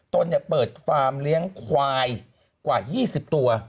นเปิดฟาร์มเลี้ยงควายกว่า๒๐ตัว